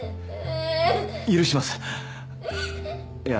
許しますいや